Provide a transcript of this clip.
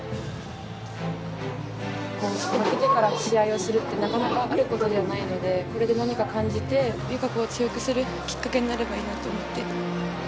負けてから試合をするって、なかなかあることではないので、これで何か感じて、友香子を強くするきっかけになればいいなと思って。